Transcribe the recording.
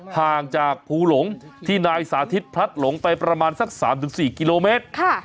ห่างจากภูหลงที่นายสาธิตพลัดหลงไปประมาณสัก๓๔กิโลเมตร